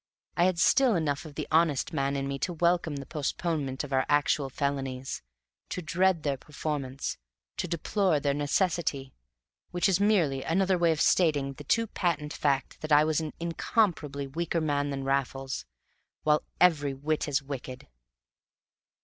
I had still enough of the honest man in me to welcome the postponement of our actual felonies, to dread their performance, to deplore their necessity: which is merely another way of stating the too patent fact that I was an incomparably weaker man than Raffles, while every whit as wicked.